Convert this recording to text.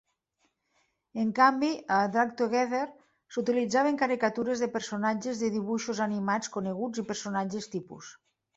En canvi, a "Drawn Together", s'utilitzaven caricatures de personatges de dibuixos animats coneguts i personatges tipus.